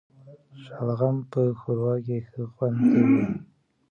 شلغم په ښوروا کي ښه خوند کوي